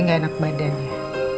putri gak enak badan ya